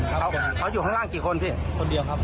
ครับผมเขาอยู่ข้างล่างกี่คนพี่คนเดียวครับ